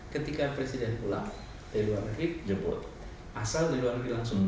ketika presiden pulang dari luar negeri jemput asal di luar negeri langsung